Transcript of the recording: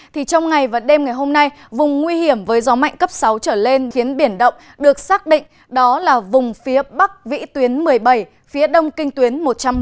thì trong ngày và đêm ngày hôm nay vùng nguy hiểm với gió mạnh cấp sáu trở lên khiến biển động được xác định đó là vùng phía bắc vĩ tuyến một mươi bảy phía đông kinh tuyến một trăm một mươi